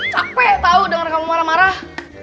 capek tau dengar kamu marah marah